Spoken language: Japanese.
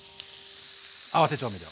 合わせ調味料。